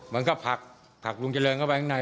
มันก็ผักลุงเจริญเข้าไปข้างใน